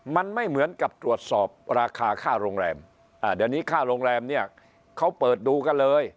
มันไม่เหมือนกับตรวจสอบราคาค่าโรงแรมเดี๋ยวนี้ค่าโรงแรมเนี่ยเขาเปิดดูกันเลย